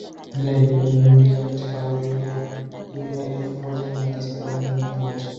Eneo hilo liliingizwa katika urithi wa dunia elfu moja mia tisa themanini na moja